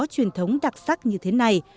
truyền thống đặc sắc như thế này